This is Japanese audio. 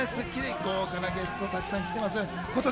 豪華なゲストがたくさん来ております。